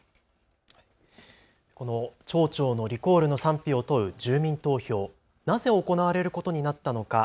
この町長のリコールの賛否を問う住民投票、なぜ行われることになったのか。